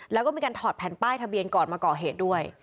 แล้วก็มีการถอดแผ่นป้ายทะเบียนก่อนมาก่อเหตุด้วย